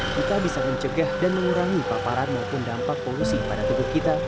kita bisa mencegah dan mengurangi paparan maupun dampak polusi pada tubuh kita